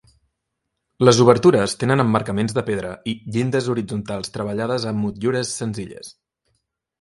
Les obertures tenen emmarcaments de pedra i llindes horitzontals treballades amb motllures senzilles.